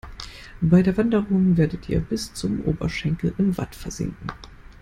Bei der Wanderung werdet ihr bis zum Oberschenkel im Watt versinken.